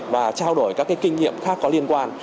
và trao đổi các kinh nghiệm khác có liên quan